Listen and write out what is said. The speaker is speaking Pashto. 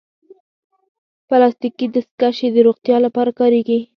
پلاستيکي دستکشې د روغتیا لپاره کارېږي.